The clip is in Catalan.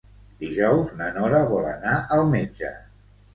Dijous na Nora vol anar al metge.